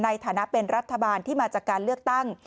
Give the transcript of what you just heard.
ในฐานะเป็นรัฐบาลที่มาจากการเลือกตั้ง